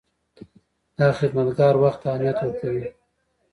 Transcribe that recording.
دا خدمتګر وخت ته اهمیت ورکوي.